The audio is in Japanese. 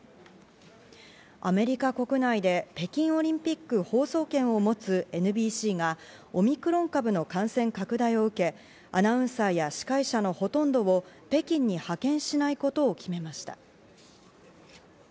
アメリカ国内で北京オリンピック放送権を持つＮＢＣが、オミクロン株の感染拡大を受け、アナウンサーや司会者のほとんどを北京に派遣しないことを決めました。